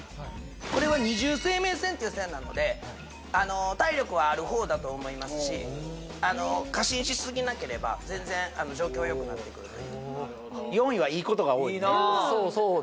これは二重生命線っていう線なので体力はある方だと思いますし過信しすぎなければ全然状況はよくなってくるというよっしゃ！